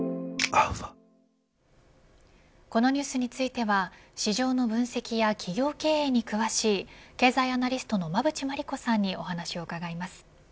このニュースについては市場の分析や企業経営に詳しい経済アナリストの馬渕磨理子さんにお話を伺います。